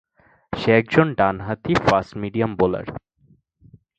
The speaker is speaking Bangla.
সে একজন ডান হাতি ফাস্ট মিডিয়াম বোলার।